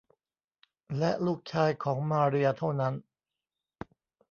และลูกชายของมาเรียเท่านั้น